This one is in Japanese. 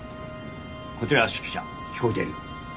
こちら指揮車聞こえてる。